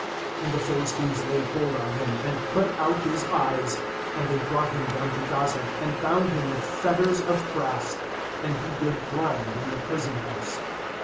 2IAnd the Philistines laid hold on him, and put out his eyes; and they brought him down to Gaza, and bound him with fetters of brass; and he did grind in the prison house.